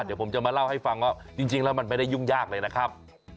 เดี๋ยวผมจะมาเล่าให้ฟังว่าจริงแล้วมันไม่ได้ยุ่งยากเลยนะครับ